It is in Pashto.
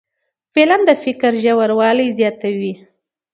فلم د فکر ژوروالی زیاتوي